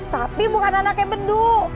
tapi bukan anaknya bedu